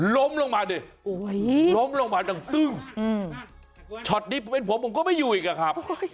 ล้มลงมาดิล้มลงมาดังตึ้งช็อตนี้เป็นผมผมก็ไม่อยู่อีกอะครับ